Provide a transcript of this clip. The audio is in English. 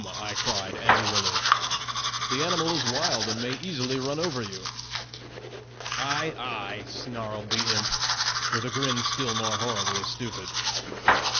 I cried, angrily; 'the animal is wild and may easily run over you.' 'Ay, ay!' snarled the imp, with a grin still more horribly stupid.